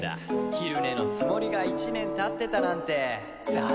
昼寝のつもりが１年経ってたなんてザラさ。